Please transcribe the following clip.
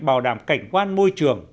bảo đảm cảnh quan môi trường